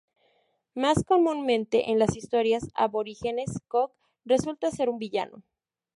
Más comúnmente en las historias aborígenes, Cook resulta ser un villano.